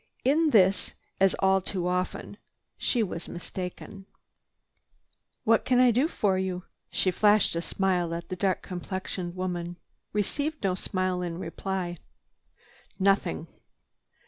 In this, as all too often, she was mistaken. "What can I do for you?" She flashed a smile at the dark complexioned woman. She received no smile in reply. "Nothing."